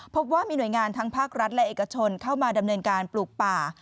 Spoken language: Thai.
พบว่ามีหน่วยงานทั้งภาครัฐและเอกชนเข้ามาดำเนินการปลูกป่า